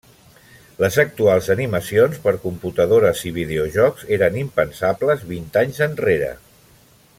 Les actuals animacions per computadores i videojocs eren impensables vint anys enrere.